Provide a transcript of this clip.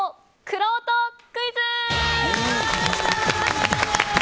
くろうとクイズ！